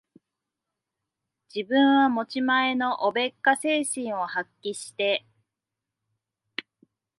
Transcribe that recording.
自分は持ち前のおべっか精神を発揮して、